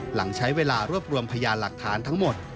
หลังใช้เวลารวบรวมพยานหลักฐานทั้งหมด